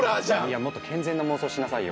いやもっと健全な妄想しなさいよ。